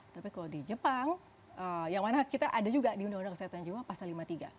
tapi kalau di jepang yang mana kita ada juga di undang undang kesehatan jiwa pasal lima puluh tiga